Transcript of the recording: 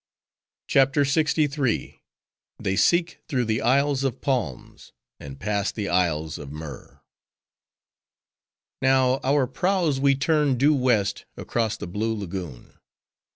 CHAPTER LXIII. They Seek Through The Isles Of Palms; And Pass The Isles Of Myrrh Now, our prows we turned due west, across the blue lagoon.